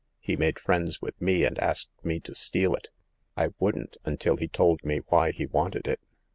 He made friends with me, and asked me to steal it. I wouldn't, until he told me why he wanted it.